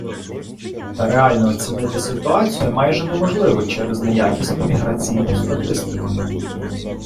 Та реально оцінити ситуацію майже неможливо через неякісну міграційну статистику.